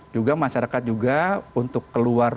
juga masyarakat juga untuk keluar